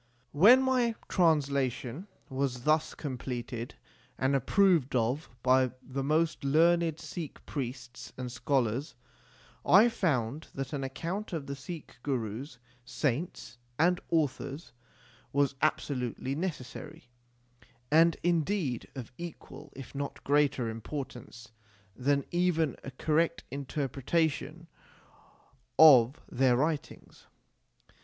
When my translation was thus completed and approved of by the most learned Sikh priests and scholars, I found that an account of the Sikh Gurus, saints, and authors was absolutely necessary, and indeed of equal, if not greater importance than even a correct interpretation of their writings.